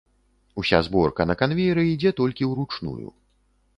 Уся зборка на канвееры ідзе толькі ўручную.